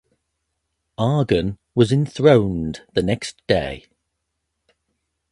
Arghun was enthroned the next day.